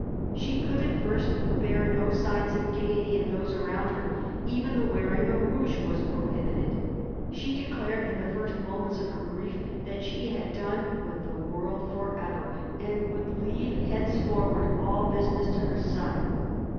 She could at first bear no signs of gaiety in those around her; even the wearing of rouge was prohibited. She declared in the first moments of her grief that she had done with the world for ever, and would leave henceforward all business to her son.